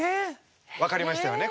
分かりましたよね？